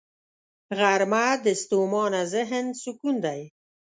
غرمه د ستومانه ذهن سکون دی